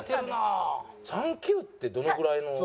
３級ってどのぐらいの？